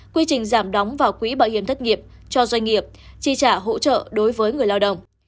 quy trình giảm đóng vào quỹ bảo hiểm thất nghiệp cho doanh nghiệp chi trả hỗ trợ đối với người lao động